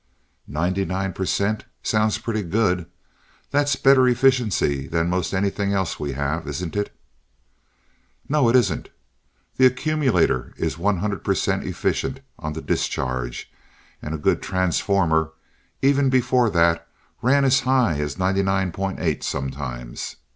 "Ninety nine percent. Sounds pretty good. That's better efficiency than most anything else we have, isn't it?" "No, it isn't. The accumulator is 100% efficient on the discharge, and a good transformer, even before that, ran as high as 99.8 sometimes.